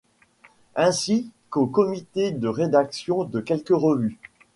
Ainsi qu’au comité de rédaction de quelques revues.